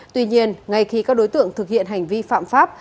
tuy nhiên ngay khi các đối tượng thực hiện hành vi phạm pháp